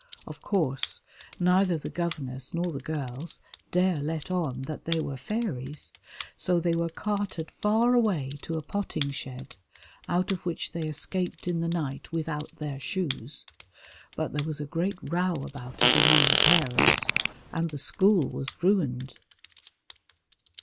Of course, neither the governess nor the girls dare let on that they were fairies, so they were carted far away to a potting shed, out of which they escaped in the night without their shoes, but there was a great row about it among the parents, and the school was ruined.